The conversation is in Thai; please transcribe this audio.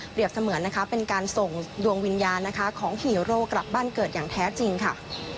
เสมือนนะคะเป็นการส่งดวงวิญญาณนะคะของฮีโร่กลับบ้านเกิดอย่างแท้จริงค่ะ